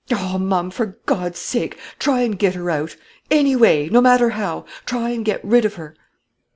Oh, ma'am, for God's sake, try and get her out, any way, no matter how; try and get rid of her."